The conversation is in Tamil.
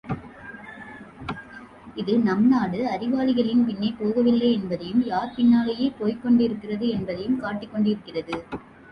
இது நம்நாடு அறிவாளிகளின் பின்னே போகவில்லை என்பதையும், யார் பின்னாலேயோ போய்க்கொண்டிருக்கிறது என்பதையும் காட்டிக் கொண்டிருக்கிறது.